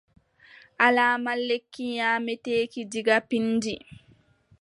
Alaama lekki nyaameteeki diga pinndi.